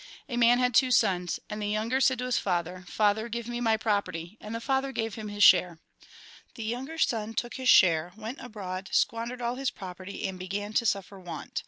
" A man had two sons. And the younger said to his father :' Father, give me my property.' And the father gave him his share. The younger son took his share, went abroad, squandered all his property, and began to suffer want.